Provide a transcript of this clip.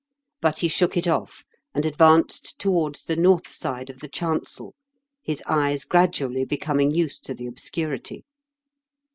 But he shook it off, and advanced towards the north side of the chancel, his eyes gradually becoming used to the obscurity.